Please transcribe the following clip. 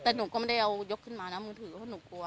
แต่หนูก็ไม่ได้เอายกขึ้นมานะมือถือเพราะหนูกลัว